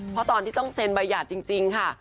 เพราะตอนที่ต้องเซ็นใบหยาดจริงค่ะ